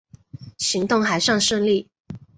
行动还算顺利